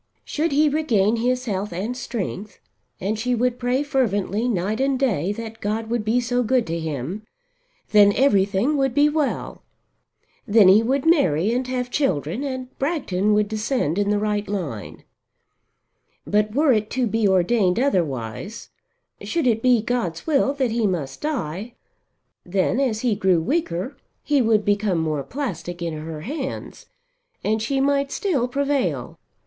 Should he regain his health and strength, and she would pray fervently night and day that God would be so good to him, then everything would be well. Then he would marry and have children, and Bragton would descend in the right line. But were it to be ordained otherwise, should it be God's will that he must die, then, as he grew weaker, he would become more plastic in her hands, and she might still prevail.